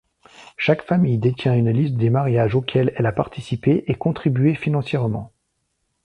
Chaque famille détient une liste des mariages auxquels elle a participé et contribué financièrement.